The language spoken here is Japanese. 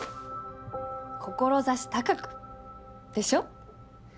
志高く！でしょ？